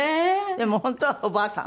でも本当はおばあさん